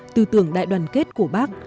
tư tưởng đại đoàn kết của bác